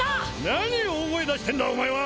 何大声出してんだお前は！